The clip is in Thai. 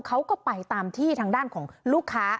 เขาก็ไปตามที่ทางด้านของลูกค้า